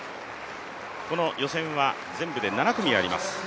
この予選は全部で７組あります。